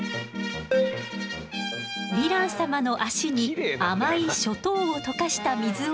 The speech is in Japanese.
ヴィラン様の足に甘いショ糖を溶かした水をつけると。